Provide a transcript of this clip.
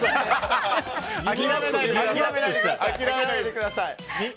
諦めないでください。